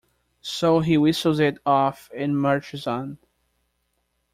So he whistles it off and marches on.